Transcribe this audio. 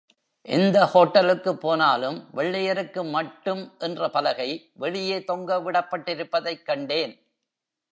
எந்த ஹோட்டலுக்குப் போனாலும் வெள்ளையருக்கு மட்டும் என்ற பலகை வெளியே தொங்க விடப்பட்டிருப்பதைக் கண்டேன்.